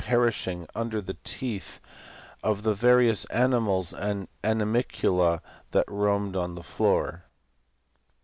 perishing under the teeth of the various animals and animal cula that roamed on the floor.